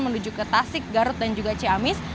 menuju ke tasik garut dan juga ciamis